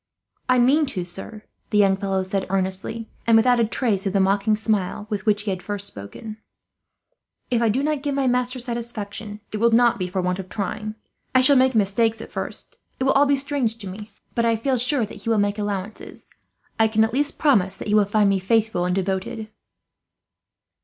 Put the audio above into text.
"I mean to, sir," the young fellow said earnestly, and without a trace of the mocking smile with which he had first spoken. "If I do not give my master satisfaction, it will not be for want of trying. I shall make mistakes at first it will all be strange to me, but I feel sure that he will make allowances. I can at least promise that he will find me faithful and devoted."